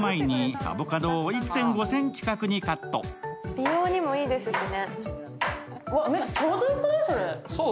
美容にもいいですしね。